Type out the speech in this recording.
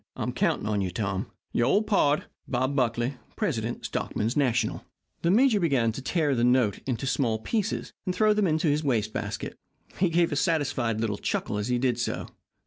I'm counting on you, Tom. Your Old Pard, BOB BUCKLY, Prest. Stockmen's National. The major began to tear the note into small pieces and throw them into his waste basket. He gave a satisfied little chuckle as he did so.